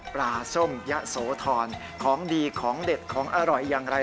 ส้มยะโสธรของดีของเด็ดของอร่อยอย่างไร